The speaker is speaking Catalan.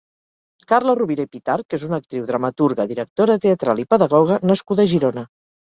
Carla Rovira i Pitarch és una actriu, dramaturga, directora teatral i pedagoga nascuda a Girona.